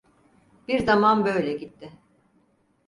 Bir zaman böyle gitti.